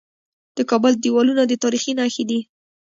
د کابل دیوالونه د تاریخ نښې دي